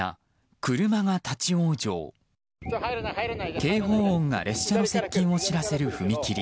警報音が列車の接近を知らせる踏切。